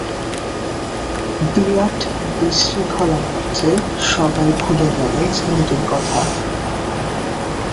বিরাট বিশৃঙ্খলার মধ্যে সবাই ভুলে গেল ছেলেটির কথা!